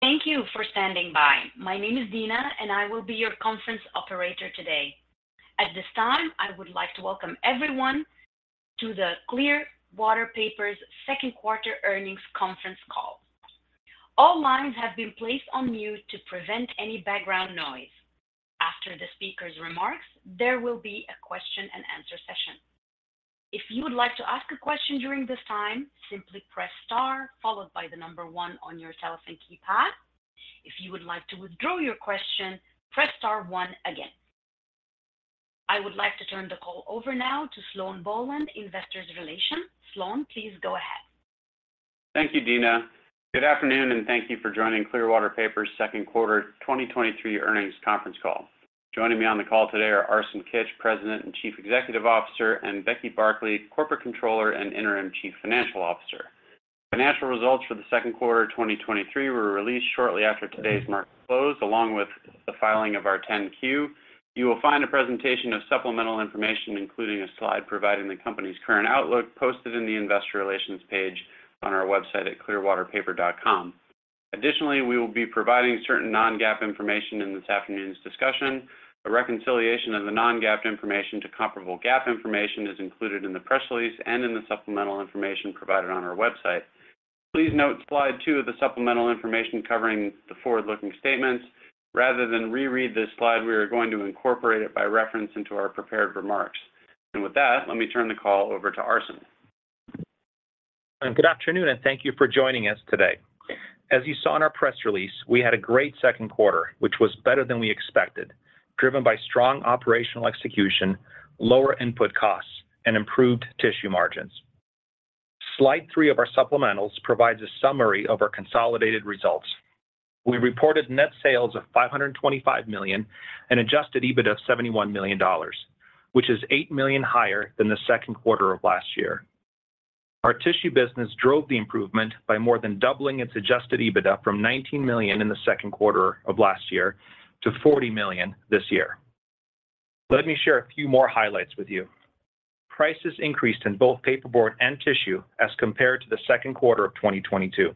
Thank you for standing by. My name is Dina. I will be your conference operator today. At this time, I would like to welcome everyone to the Clearwater Paper's second quarter earnings conference call. All lines have been placed on mute to prevent any background noise. After the speaker's remarks, there will be a question-and-answer session. If you would like to ask a question during this time, simply press Star followed by 1 on your telephone keypad. If you would like to withdraw your question, press Star 1 again. I would like to turn the call over now to Sloan Bohlen, Investor Relations. Sloan, please go ahead. Thank you, Dina. Good afternoon, and thank you for joining Clearwater Paper's second quarter 2023 earnings conference call. Joining me on the call today are Arsen Kitch, President and Chief Executive Officer, and Becky Barckley, Corporate Controller and Interim Chief Financial Officer. Financial results for the second quarter of 2023 were released shortly after today's market close, along with the filing of our Form 10-Q. You will find a presentation of supplemental information, including a slide providing the company's current outlook, posted in the investor relations page on our website at clearwaterpaper.com. We will be providing certain non-GAAP information in this afternoon's discussion. A reconciliation of the non-GAAP information to comparable GAAP information is included in the press release and in the supplemental information provided on our website. Please note slide two of the supplemental information covering the forward-looking statements. Rather than reread this slide, we are going to incorporate it by reference into our prepared remarks. With that, let me turn the call over to Arsen. Good afternoon, thank you for joining us today. As you saw in our press release, we had a great second quarter, which was better than we expected, driven by strong operational execution, lower input costs, and improved tissue margins. Slide three of our supplementals provides a summary of our consolidated results. We reported net sales of $525 million and Adjusted EBITDA of $71 million, which is $8 million higher than the second quarter of last year. Our tissue business drove the improvement by more than doubling its Adjusted EBITDA from $19 million in the second quarter of last year to $40 million this year. Let me share a few more highlights with you. Prices increased in both paperboard and tissue as compared to the second quarter of 2022.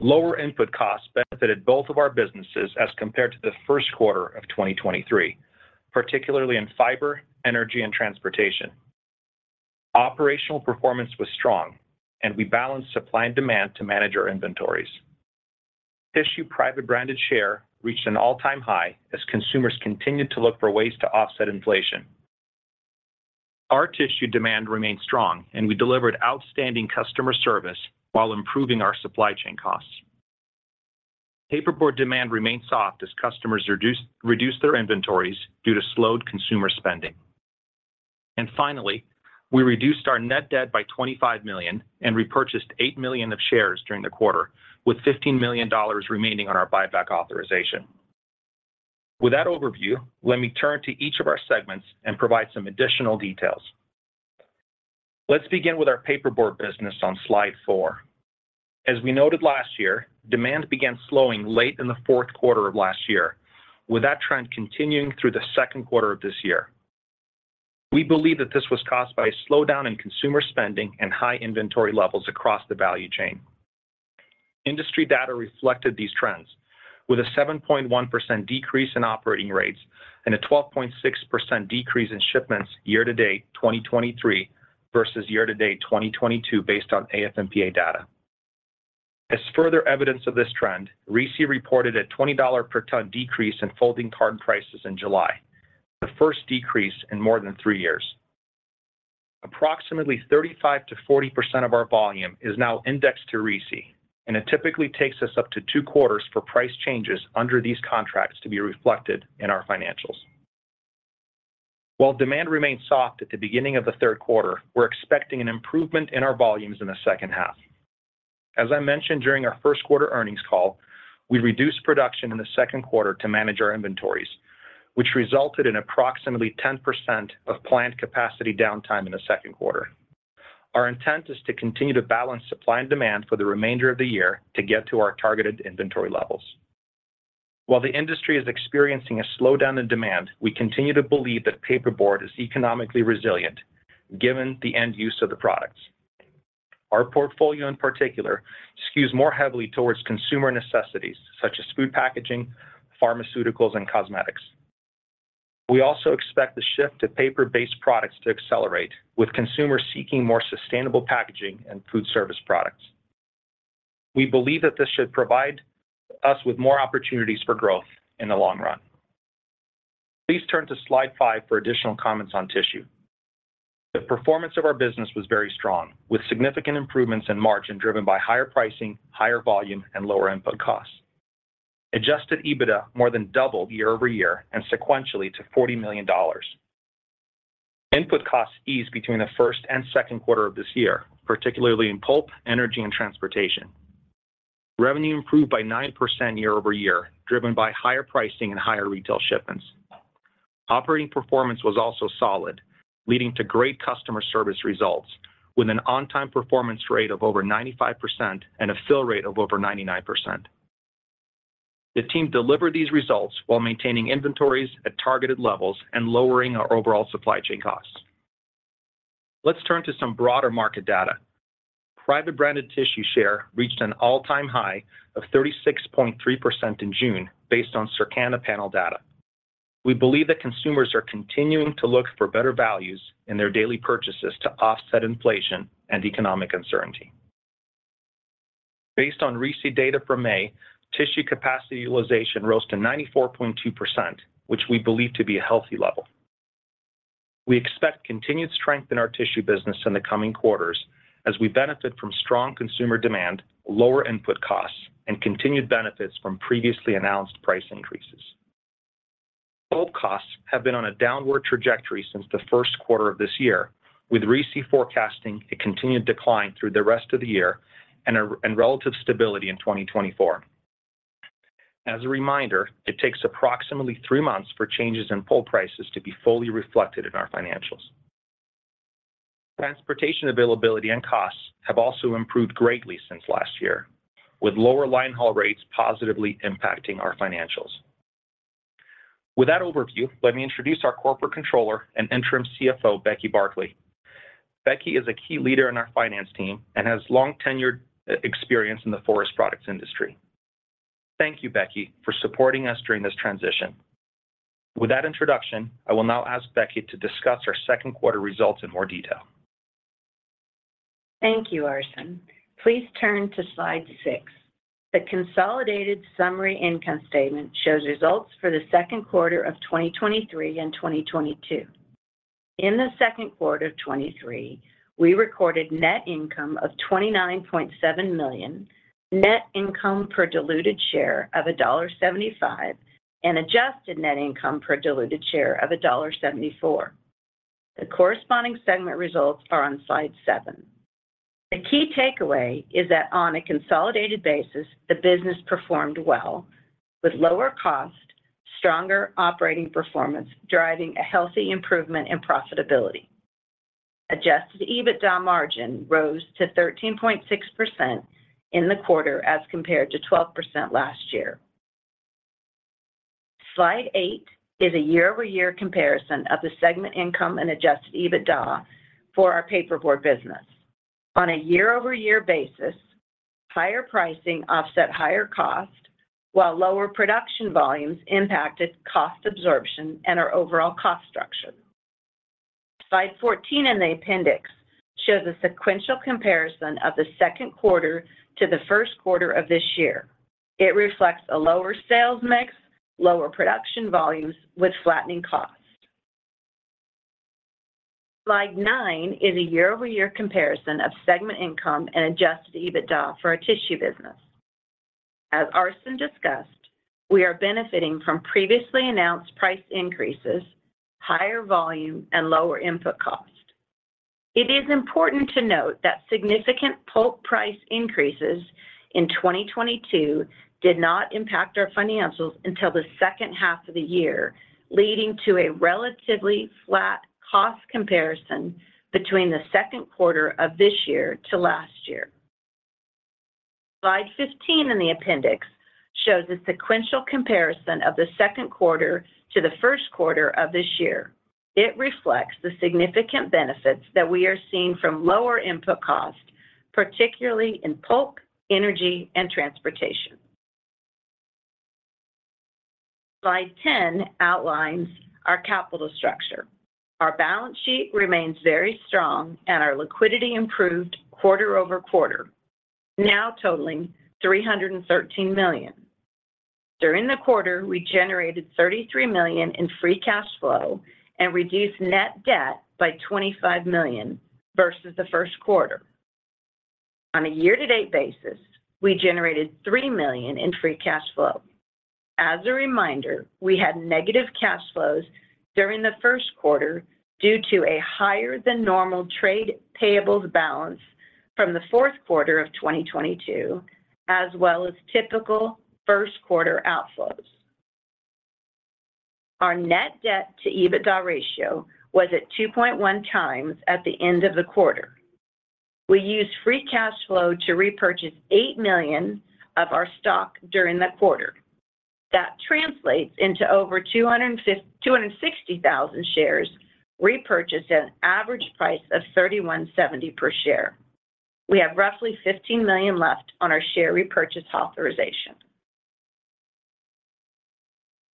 Lower input costs benefited both of our businesses as compared to the first quarter of 2023, particularly in fiber, energy, and transportation. Operational performance was strong. We balanced supply and demand to manage our inventories. Tissue private branded share reached an all-time high as consumers continued to look for ways to offset inflation. Our tissue demand remained strong. We delivered outstanding customer service while improving our supply chain costs. Paperboard demand remained soft as customers reduced their inventories due to slowed consumer spending. Finally, we reduced our net debt by $25 million and repurchased $8 million of shares during the quarter, with $15 million remaining on our buyback authorization. With that overview, let me turn to each of our segments and provide some additional details. Let's begin with our paperboard business on slide four. As we noted last year, demand began slowing late in the fourth quarter of last year, with that trend continuing through the second quarter of this year. We believe that this was caused by a slowdown in consumer spending and high inventory levels across the value chain. Industry data reflected these trends, with a 7.1% decrease in operating rates and a 12.6% decrease in shipments year to date, 2023, versus year to date, 2022, based on AF&PA data. As further evidence of this trend, RISI reported a $20 per ton decrease in folding carton prices in July, the first decrease in more than three years. Approximately 35%-40% of our volume is now indexed to RISI, and it typically takes us up to two quarters for price changes under these contracts to be reflected in our financials. While demand remains soft at the beginning of the third quarter, we're expecting an improvement in our volumes in the second half. As I mentioned during our first quarter earnings call, we reduced production in the second quarter to manage our inventories, which resulted in approximately 10% of plant capacity downtime in the second quarter. Our intent is to continue to balance supply and demand for the remainder of the year to get to our targeted inventory levels. While the industry is experiencing a slowdown in demand, we continue to believe that paperboard is economically resilient, given the end use of the products. Our portfolio, in particular, skews more heavily towards consumer necessities such as food packaging, pharmaceuticals, and cosmetics. We also expect the shift to paper-based products to accelerate, with consumers seeking more sustainable packaging and food service products. We believe that this should provide us with more opportunities for growth in the long run. Please turn to slide five for additional comments on tissue. The performance of our business was very strong, with significant improvements in margin driven by higher pricing, higher volume, and lower input costs. Adjusted EBITDA more than doubled year-over-year and sequentially to $40 million. Input costs eased between the first and second quarter of this year, particularly in pulp, energy, and transportation. Revenue improved by 9% year-over-year, driven by higher pricing and higher retail shipments. Operating performance was also solid, leading to great customer service results with an on-time performance rate of over 95% and a fill rate of over 99%. The team delivered these results while maintaining inventories at targeted levels and lowering our overall supply chain costs. Let's turn to some broader market data. Private branded tissue share reached an all-time high of 36.3% in June, based on Circana panel data. We believe that consumers are continuing to look for better values in their daily purchases to offset inflation and economic uncertainty. Based on RISI data from May, tissue capacity utilization rose to 94.2%, which we believe to be a healthy level. We expect continued strength in our tissue business in the coming quarters as we benefit from strong consumer demand, lower input costs, and continued benefits from previously announced price increases. Pulp costs have been on a downward trajectory since the first quarter of this year, with RISI forecasting a continued decline through the rest of the year and relative stability in 2024. As a reminder, it takes approximately three months for changes in pulp prices to be fully reflected in our financials. Transportation availability and costs have also improved greatly since last year, with lower line haul rates positively impacting our financials. With that overview, let me introduce our Corporate Controller and Interim CFO, Becky Barckley. Becky is a key leader in our finance team and has long tenured experience in the forest products industry. Thank you, Becky, for supporting us during this transition. With that introduction, I will now ask Becky to discuss our second quarter results in more detail. Thank you, Arsen. Please turn to slide six. The consolidated summary income statement shows results for the second quarter of 2023 and 2022. In the second quarter of 2023, we recorded net income of $29.7 million, net income per diluted share of $1.75, and adjusted net income per diluted share of $1.74. The corresponding segment results are on slide seven. The key takeaway is that on a consolidated basis, the business performed well with lower cost, stronger operating performance, driving a healthy improvement in profitability. Adjusted EBITDA margin rose to 13.6% in the quarter as compared to 12% last year. Slide eight is a year-over-year comparison of the segment income and Adjusted EBITDA for our paperboard business. On a year-over-year basis, higher pricing offset higher cost, while lower production volumes impacted cost absorption and our overall cost structure. Slide 14 in the appendix shows a sequential comparison of the second quarter to the first quarter of this year. It reflects a lower sales mix, lower production volumes with flattening costs. Slide nine is a year-over-year comparison of segment income and Adjusted EBITDA for our tissue business. As Arsen discussed, we are benefiting from previously announced price increases, higher volume, and lower input cost. It is important to note that significant pulp price increases in 2022 did not impact our financials until the second half of the year, leading to a relatively flat cost comparison between the second quarter of this year to last year. Slide 15 in the appendix shows a sequential comparison of the second quarter to the first quarter of this year. It reflects the significant benefits that we are seeing from lower input costs, particularly in pulp, energy, and transportation. Slide 10 outlines our capital structure. Our balance sheet remains very strong and our liquidity improved quarter-over-quarter, now totaling $313 million. During the quarter, we generated $33 million in free cash flow and reduced net debt by $25 million versus the first quarter. On a year-to-date basis, we generated $3 million in free cash flow. As a reminder, we had negative cash flows during the first quarter due to a higher than normal trade payables balance from the fourth quarter of 2022, as well as typical first quarter outflows. Our net debt to EBITDA ratio was at 2.1x at the end of the quarter. We used free cash flow to repurchase $8 million of our stock during the quarter. That translates into over 260,000 shares repurchased at an average price of $31.70 per share. We have roughly $15 million left on our share repurchase authorization.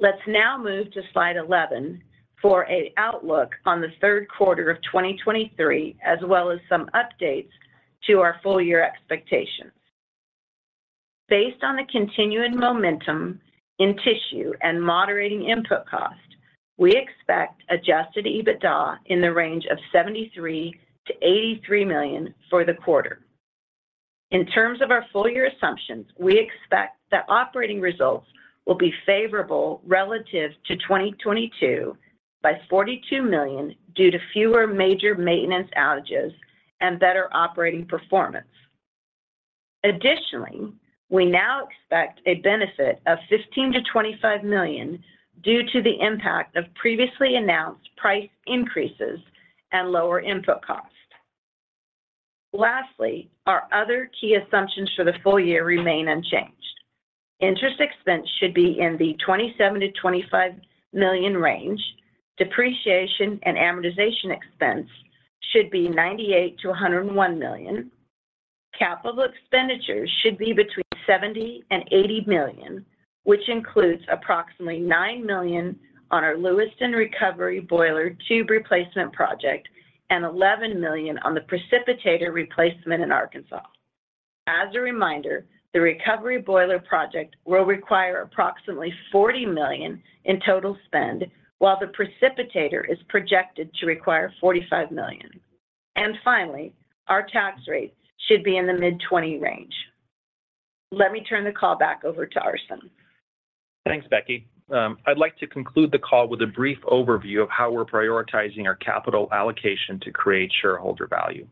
Let's now move to slide 11 for a outlook on the third quarter of 2023, as well as some updates to our full year expectations. Based on the continuing momentum in tissue and moderating input cost, we expect Adjusted EBITDA in the range of $73 million-$83 million for the quarter. In terms of our full year assumptions, we expect that operating results will be favorable relative to 2022 by $42 million due to fewer major maintenance outages and better operating performance. We now expect a benefit of $15-$25 million due to the impact of previously announced price increases and lower input costs. Lastly, our other key assumptions for the full year remain unchanged. Interest expense should be in the $27 million to $25 million range. Depreciation and amortization expense should be $98-$101 million. Capital expenditures should be between $70 million and $80 million, which includes approximately $9 million on our Lewiston recovery boiler tube replacement project and $11 million on the precipitator replacement in Arkansas. As a reminder, the recovery boiler project will require approximately $40 million in total spend, while the precipitator is projected to require $45 million. Finally, our tax rates should be in the mid-20 range. Let me turn the call back over to Arsen. Thanks, Becky. I'd like to conclude the call with a brief overview of how we're prioritizing our capital allocation to create shareholder value.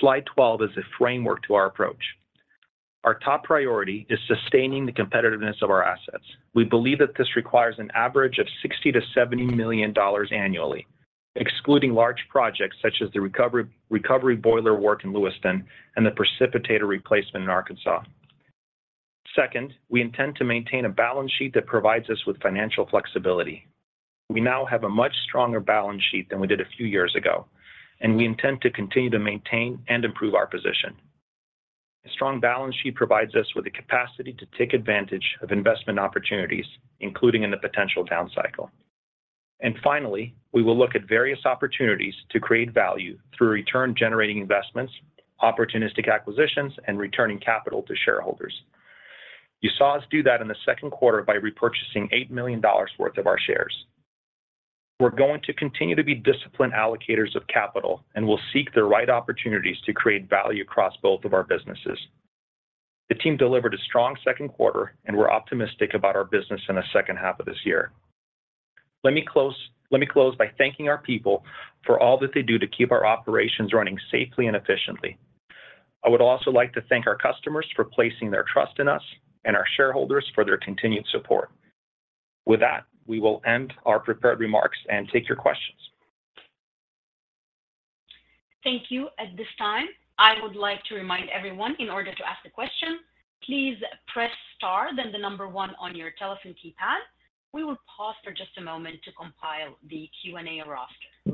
Slide 12 is a framework to our approach. Our top priority is sustaining the competitiveness of our assets. We believe that this requires an average of $60-$70 million annually, excluding large projects such as the recovery, recovery boiler work in Lewiston and the precipitator replacement in Arkansas. Second, we intend to maintain a balance sheet that provides us with financial flexibility. We now have a much stronger balance sheet than we did a few years ago, and we intend to continue to maintain and improve our position. A strong balance sheet provides us with the capacity to take advantage of investment opportunities, including in the potential downcycle. Finally, we will look at various opportunities to create value through return generating investments, opportunistic acquisitions, and returning capital to shareholders. You saw us do that in the second quarter by repurchasing $8 million worth of our shares. We're going to continue to be disciplined allocators of capital, and we'll seek the right opportunities to create value across both of our businesses. The team delivered a strong second quarter, and we're optimistic about our business in the second half of this year. Let me close by thanking our people for all that they do to keep our operations running safely and efficiently. I would also like to thank our customers for placing their trust in us and our shareholders for their continued support. With that, we will end our prepared remarks and take your questions. Thank you. At this time, I would like to remind everyone, in order to ask a question, please press star, then the 1 on your telephone keypad. We will pause for just a moment to compile the Q&A roster.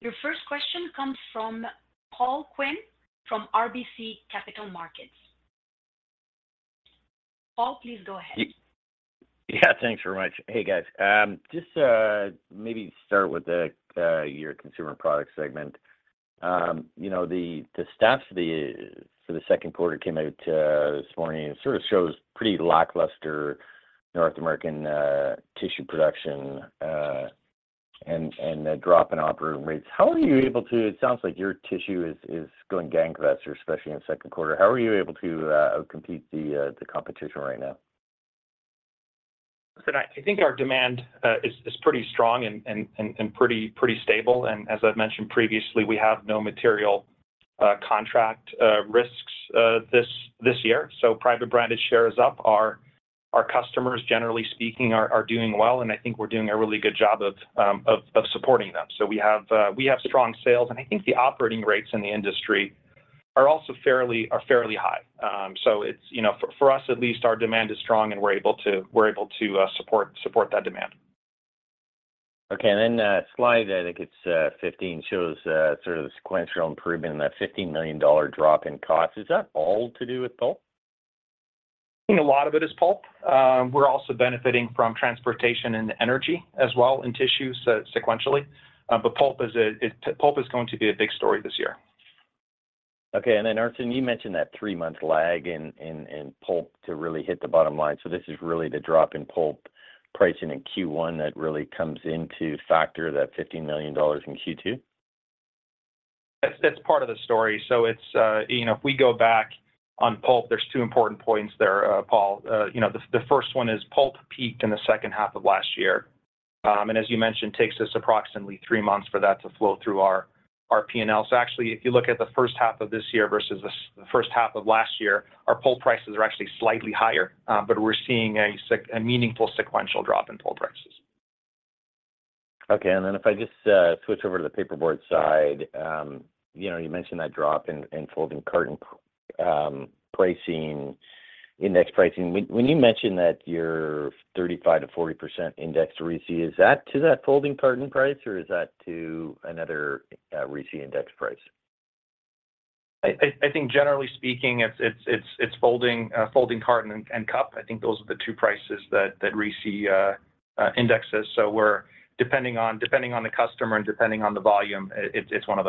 Your first question comes from Paul Quinn, from RBC Capital Markets. Paul, please go ahead. Yeah, thanks very much. Hey, guys. Just maybe start with the your consumer products segment. You know, the the stats for the for the second quarter came out this morning. It sort of shows pretty lackluster North American tissue production and a drop in operating rates. How are you able to? It sounds like your tissue is going gangbusters, especially in the second quarter. How are you able to outcompete the competition right now? I, I think our demand is pretty strong and, and, and, and pretty, pretty stable, and as I've mentioned previously, we have no material contract risks this year. Private brand share is up. Our, our customers, generally speaking, are, are doing well, and I think we're doing a really good job of supporting them. We have strong sales, and I think the operating rates in the industry are also fairly, are fairly high. It's, you know, for, for us at least, our demand is strong, and we're able to, we're able to support, support that demand. Okay. Slide, I think it's, 15, shows, sort of the sequential improvement in that $15 million drop in cost. Is that all to do with pulp? I think a lot of it is pulp. We're also benefiting from transportation and energy as well in tissue, so sequentially. Pulp is going to be a big story this year. Okay. Arsen, you mentioned that 3-month lag in, in, in pulp to really hit the bottom line. This is really the drop in pulp pricing in Q1 that really comes into factor, that $15 million in Q2? That's, that's part of the story. It's, you know, if we go back on pulp, there's two important points there, Paul. You know, the, the first one is pulp peaked in the second half of last year, and as you mentioned, takes us approximately three months for that to flow through our, our P&L. Actually, if you look at the first half of this year versus the first half of last year, our pulp prices are actually slightly higher, but we're seeing a meaningful sequential drop in pulp prices. Okay. If I just switch over to the paperboard side, you know, you mentioned that drop in, in folding carton, pricing, index pricing. When, when you mentioned that your 35%-40% index to RISI, is that to that folding carton price, or is that to another, RISI index price? I think generally speaking, it's folding carton and cup. I think those are the two prices that RISI indexes, so we're depending on, depending on the customer and depending on the volume, it's one of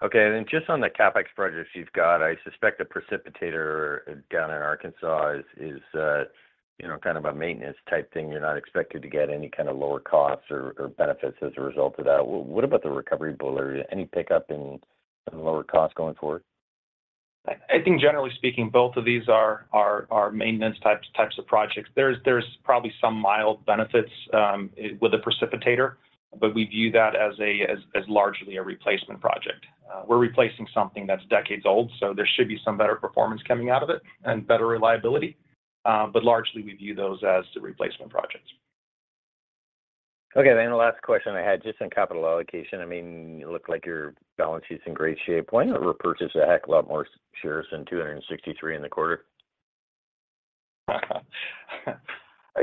those. Okay, then just on the CapEx projects you've got, I suspect the precipitator down in Arkansas is, is, you know, kind of a maintenance type thing. You're not expected to get any kind of lower costs or, or benefits as a result of that. What about the recovery boiler? Any pickup in, in the lower costs going forward? I think generally speaking, both of these are maintenance types of projects. There's probably some mild benefits with the precipitator, but we view that as largely a replacement project. We're replacing something that's decades old, so there should be some better performance coming out of it and better reliability. Largely, we view those as the replacement projects. Okay, the last question I had, just on capital allocation. I mean, you look like your balance sheet's in great shape. Why not repurchase a heck lot more shares than 263 in the quarter?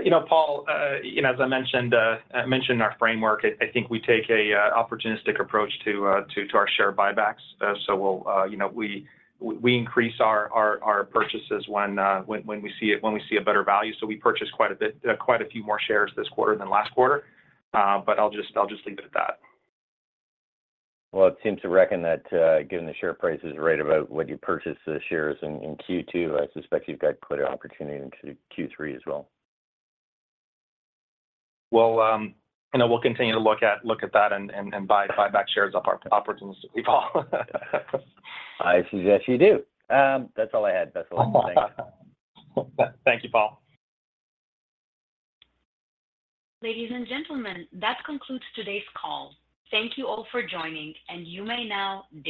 You know, Paul, you know, as I mentioned, I mentioned our framework, I, I think we take an opportunistic approach to, to, to our share buybacks. We'll, you know, we, we, we increase our, our, our purchases when, when, when we see a, when we see a better value. We purchased quite a bit, quite a few more shares this quarter than last quarter. I'll just, I'll just leave it at that. Well, it seems to reckon that, given the share prices right about what you purchased the shares in, in Q2, I suspect you've got quite an opportunity into Q3 as well. We'll, you know, we'll continue to look at, look at that and, and buy, buy back shares opportunistically, Paul. I suggest you do. That's all I had, Arsen. Thank you. Thank you, Paul. Ladies and gentlemen, that concludes today's call. Thank you all for joining, and you may now disconnect.